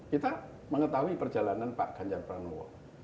kita mengetahui perjalanan pak ganjar pranowo